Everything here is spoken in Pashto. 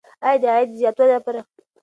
آیا د عاید د زیاتوالي لپاره کومه طرحه لرې؟